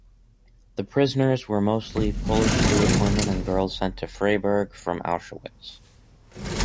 The prisoners were mostly Polish Jewish women and girls sent to Freiburg from Auschwitz.